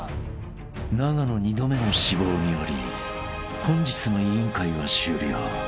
［永野２度目の死亡により本日の『委員会』は終了］